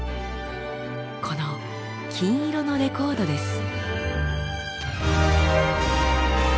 この金色のレコードです。